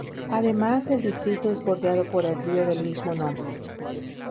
Además el distrito es bordeado por el río del mismo nombre.